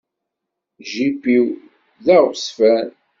Jip-iw d aɣezfan.